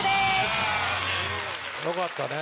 よかったね。